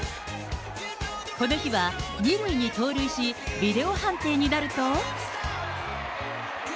この日は２塁に盗塁し、ビデオ判定になると。